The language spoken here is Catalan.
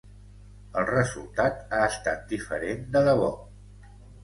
El resultat ha estat diferent de debò.